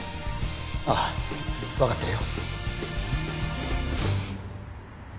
ああ分かってるよ